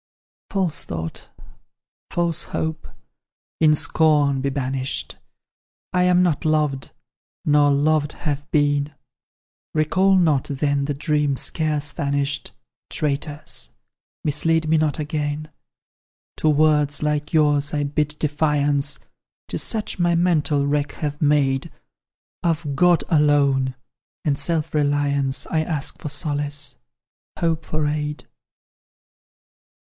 "False thought false hope in scorn be banished! I am not loved nor loved have been; Recall not, then, the dreams scarce vanished; Traitors! mislead me not again! "To words like yours I bid defiance, 'Tis such my mental wreck have made; Of God alone, and self reliance, I ask for solace hope for aid.